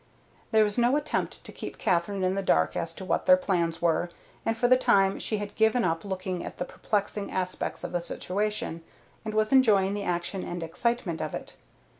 There was no attempt to keep Katherine in the dark as to what their plans were, and for the time she had given up looking at the perplexing aspects of the situation, and was enjoying the action and excitement of it.